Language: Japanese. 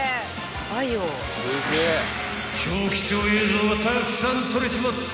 ［超貴重映像がたくさん撮れちまった］